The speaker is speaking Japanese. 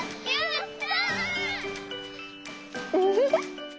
ウフフ。